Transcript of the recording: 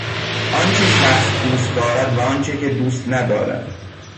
آنچه شخص دوست دارد و آنچه که دوست ندارد.